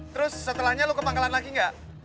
terus setelahnya lo ke pangkalan lagi nggak